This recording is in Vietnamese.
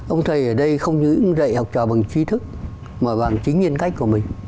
ông thầy ở đây không những dạy học trò bằng trí thức mà bằng chính nhân cách của mình